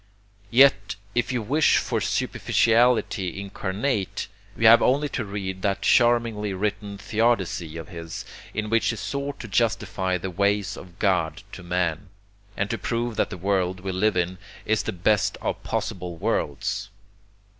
Yet if you wish for superficiality incarnate, you have only to read that charmingly written 'Theodicee' of his, in which he sought to justify the ways of God to man, and to prove that the world we live in is the best of possible worlds.